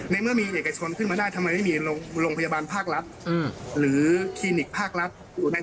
ในเมื่อมีเอกชนขึ้นมาได้ทำไมไม่มีโรงพยาบาลภาครัฐ